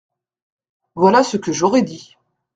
Voilà ce que j’aurais dit.